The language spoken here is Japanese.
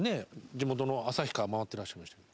地元の旭川を回ってらっしゃいましたけど。